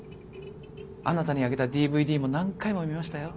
あなたにあげたＤＶＤも何回も見ましたよ。